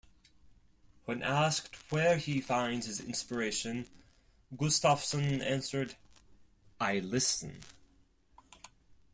When asked where he finds his inspiration, Gustafsson answered I listen.